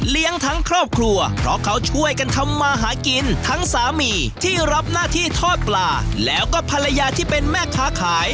ทั้งครอบครัวเพราะเขาช่วยกันทำมาหากินทั้งสามีที่รับหน้าที่ทอดปลาแล้วก็ภรรยาที่เป็นแม่ค้าขาย